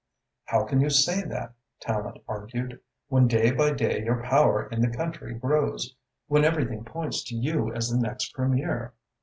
"How can you say that," Tallente argued, "when day by day your power in the country grows, when everything points to you as the next Premier?"